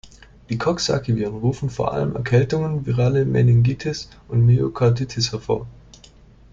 Die Coxsackie-Viren rufen vor allem Erkältungen, virale Meningitis und Myokarditis hervor.